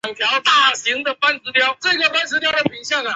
埃马勒维尔。